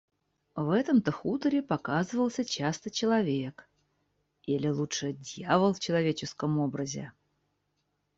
В этом-то хуторе показывался часто человек, или, лучше, дьявол в человеческом образе.